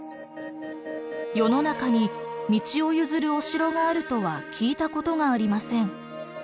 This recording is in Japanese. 「世の中に道を譲るお城があるとは聞いたことがありません。